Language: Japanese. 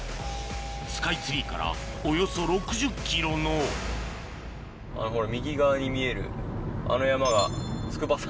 スカイツリーからおよそ６０ｋｍの右側に見えるあの山が筑波山。